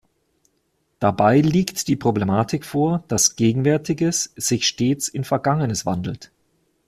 Dabei liegt die Problematik vor, dass Gegenwärtiges sich stets in Vergangenes wandelt.